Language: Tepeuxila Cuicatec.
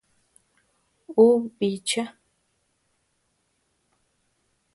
Ú bícha.